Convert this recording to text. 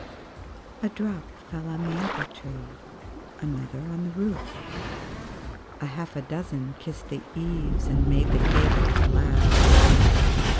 A drop fell on the apple tree, Another on the roof; A half a dozen kissed the eaves, And made the gables laugh.